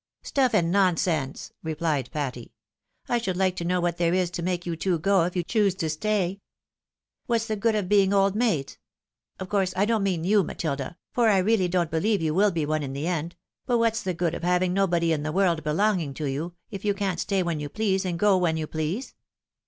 " Stuif and nonsense !" replied Patty. " I shovdd like to know what there is to make you two go, if you choose to stay ? What's the good of being old maids? — of course I don't mean you, Matilda, fori really don't beheve you will be one in the THE FOKLORN HOPE. 195 eTid ; tut whafs the good of having nobody in the world belonging to you, if you can't stay when you please, and go when you please